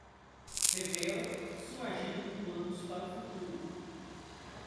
Revela sua agenda com planos para o futuro